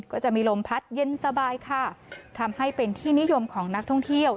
ก็จะมีลมพัดเย็นสบายค่ะทำให้เป็นที่นิยมของนักท่องเที่ยว